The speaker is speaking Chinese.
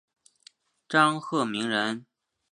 张鹤鸣人。